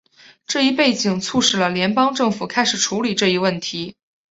这一背景促使了联邦政府开始处理这一问题。